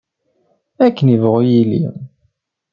Akken ibɣu yilli.